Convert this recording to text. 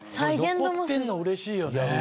残ってるの嬉しいよね。